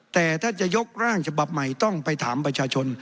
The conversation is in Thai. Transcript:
แต่ถ้าจะยกร่างฉบับใหม่ต้องไปถามประชาชน